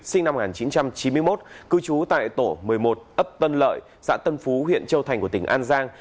sinh năm một nghìn chín trăm chín mươi một cư trú tại tổ một mươi một ấp tân lợi xã tân phú huyện châu thành của tỉnh an giang